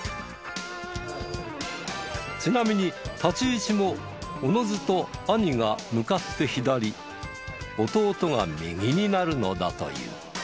ちなみに立ち位置も自ずと兄が向かって左弟が右になるのだという。